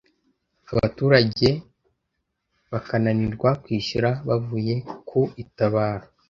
abturage bakananirwa kwishyura bavuye ku itabaro